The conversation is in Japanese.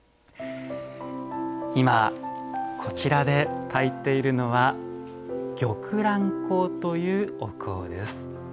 今、こちらでたいているのは玉蘭香という、お香です。